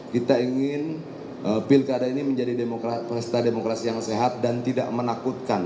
kita ingin pilkada ini menjadi pesta demokrasi yang sehat dan tidak menakutkan